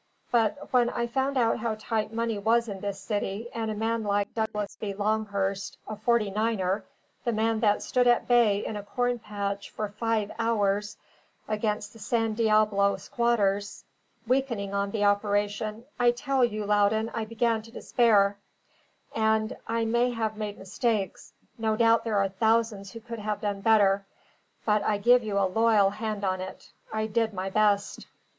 But when I found how tight money was in this city, and a man like Douglas B. Longhurst a forty niner, the man that stood at bay in a corn patch for five hours against the San Diablo squatters weakening on the operation, I tell you, Loudon, I began to despair; and I may have made mistakes, no doubt there are thousands who could have done better but I give you a loyal hand on it, I did my best."